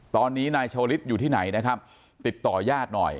ตอนนี้นายชาวลิศอยู่ที่ไหนนะครับติดต่อยาดหน่อย